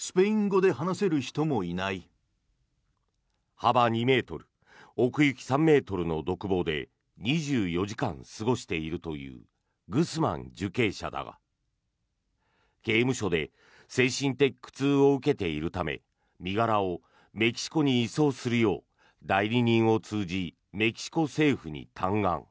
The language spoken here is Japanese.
幅２ｍ、奥行き３ｍの独房で２４時間過ごしているというグスマン受刑者だが刑務所で精神的苦痛を受けているため身柄をメキシコに移送するよう代理人を通じメキシコ政府に嘆願。